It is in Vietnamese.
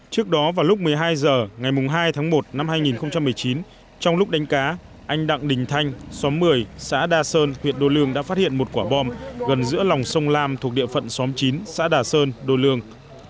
trước đó vào lúc một mươi hai h ngày hai tháng một năm hai nghìn một mươi chín trong lúc đánh cá anh đặng đình thanh xóm một mươi xã đà sơn huyện đô lương đã phát hiện một quả bom gần giữa lòng sông lam thuộc địa phận xóm chín xã đà sơn đô lương